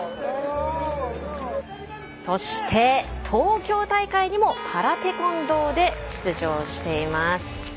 そして、東京大会にもパラテコンドーで出場しています。